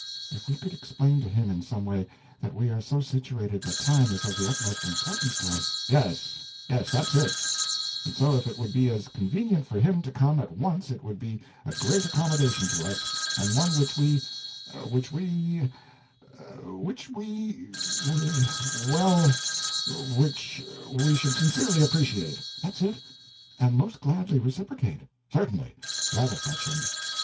"If we could explain to him in some way, that we are so situated that time is of the utmost importance to us—" "Yes—yes, that's it—and so if it would be as convenient for him to come at once it would be a great accommodation to us, and one which we—which we—which we—wh—well, which we should sincerely appreciate—" "That's it—and most gladly reciprocate—" "Certainly—that'll fetch him.